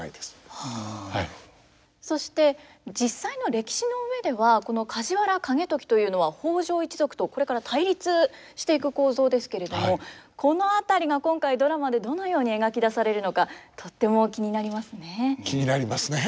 そして実際の歴史の上ではこの梶原景時というのは北条一族とこれから対立していく構造ですけれどもこの辺りが今回ドラマでどのように描き出されるのかとっても気になりますね。